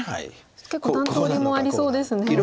結構何通りもありそうですね。